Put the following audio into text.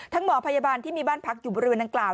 หมอพยาบาลที่มีบ้านพักอยู่บริเวณดังกล่าว